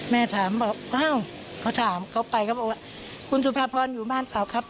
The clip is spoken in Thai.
แม่ถามบอกอ้าวเขาถามเขาไปเขาบอกว่าคุณสุภาพรอยู่บ้านเปล่าครับ